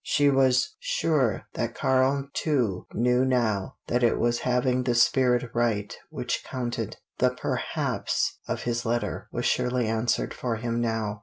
She was sure that Karl too knew now that it was having the spirit right which counted. The "perhaps" of his letter was surely answered for him now.